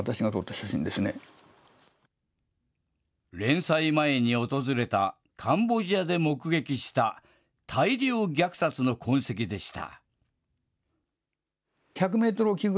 連載前に訪れたカンボジアで目撃した大量虐殺の痕跡でした。